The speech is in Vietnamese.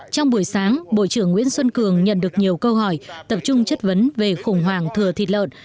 trong buổi sáng bộ trưởng nguyễn xuân cường nhận được nhiều câu hỏi tập trung chất vấn về khủng hoảng thừa thịt lợn